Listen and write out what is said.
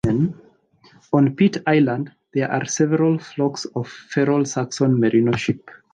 On Pitt Island there are several flocks of feral Saxon Merino sheep.